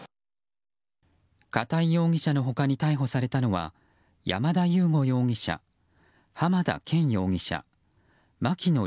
片井容疑者の他に逮捕されたのは山田悠護容疑者浜田健容疑者、牧野稜